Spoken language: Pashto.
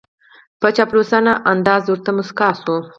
په چاپلوسانه انداز ورته موسکای شو